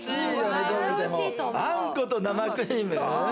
あんこと生クリーム？